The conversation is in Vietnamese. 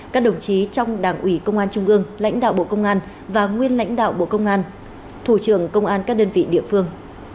các đồng chí trong đảng ủy công an trung ương lãnh đạo bộ công an và nguyên lãnh đạo bộ công an thủ trưởng công an các đơn vị địa phương